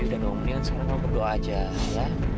devi dan om nian sekarang kamu berdoa aja ya